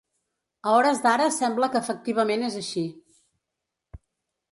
A hores d’ara sembla que efectivament és així.